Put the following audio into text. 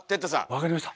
分かりました。